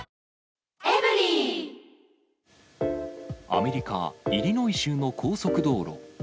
アメリカ・イリノイ州の高速道路。